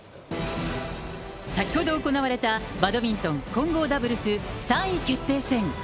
先ほど行われたバドミントン混合ダブルス３位決定戦。